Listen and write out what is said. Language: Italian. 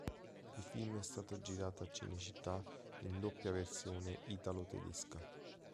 Il film è stato girato a Cinecittà in doppia versione italo-tedesca.